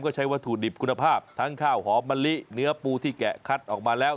ก็ใช้วัตถุดิบคุณภาพทั้งข้าวหอมมะลิเนื้อปูที่แกะคัดออกมาแล้ว